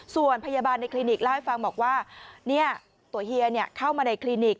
ส่วนพยาบาลในคลินิกเล่าให้ฟังบอกว่าตัวเฮียเข้ามาในคลินิก